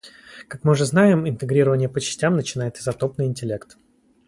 Как мы уже знаем, интегрирование по частям начинает изотопный интеллект.